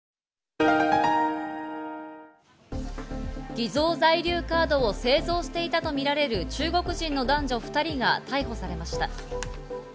偽造在留カードを製造していたとみられる中国人の男女２人が逮捕されました。